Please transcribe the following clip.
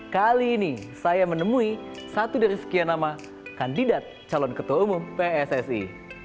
kali ini saya menemui satu dari sekian nama kandidat calon ketua umum pssi